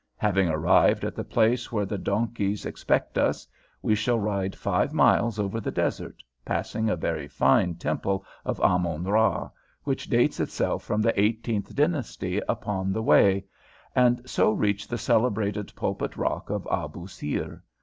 Having arrived at the place where the donkeys expect us, we shall ride five miles over the desert, passing a very fine temple of Ammon ra which dates itself from the eighteenth dynasty upon the way, and so reach the celebrated pulpit rock of Abou sir.